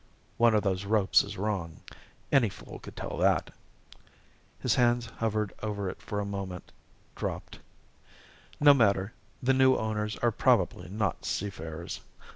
"One of those ropes is wrong; any fool could tell that " His hands hovered over it for a moment dropped. "No matter the new owners are probably not seafarers!